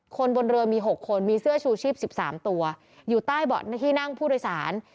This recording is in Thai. คนบนเรือมี๖คนมีเสื้อชูชีพ๑๓ตัวอยู่ใต้เบาะที่นั่งผู้โดยสาร